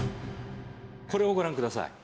これをご覧ください。